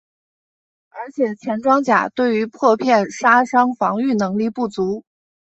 而且前装甲对于破片杀伤防御能力不足。